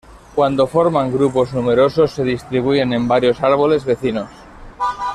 Cuando forman grupos numerosos se distribuyen en varios árboles vecinos.